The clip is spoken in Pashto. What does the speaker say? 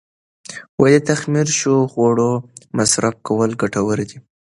د تخمیر شوو خوړو مصرف کول ګټور دي.